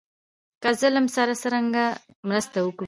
له ظالم سره څرنګه مرسته وکړو.